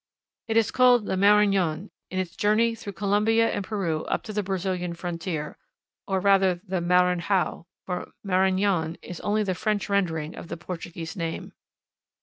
It is called the Marañon in its journey through Colombia and Peru up to the Brazilian frontier or, rather, the Maranhao, for Marañon is only the French rendering of the Portuguese name.